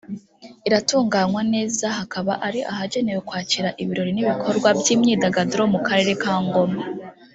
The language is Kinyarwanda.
iratunganywa neza hakaba ari ahagenewe kwakira ibirori n’ibikorwa by’imyidagaduro mu karere ka Ngoma